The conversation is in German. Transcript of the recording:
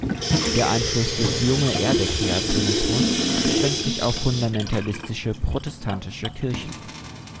Der Einfluss des Junge-Erde-Kreationismus beschränkt sich auf fundamentalistische protestantische Kirchen.